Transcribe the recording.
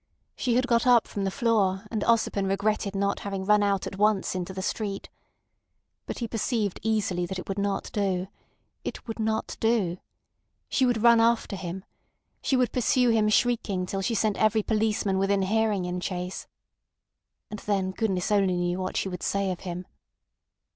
She had got up from the floor, and Ossipon regretted not having run out at once into the street. But he perceived easily that it would not do. It would not do. She would run after him. She would pursue him shrieking till she sent every policeman within hearing in chase. And then goodness only knew what she would say of him.